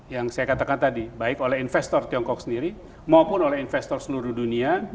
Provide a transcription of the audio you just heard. yang saya katakan tadi baik oleh investor tiongkok sendiri maupun oleh investor seluruh dunia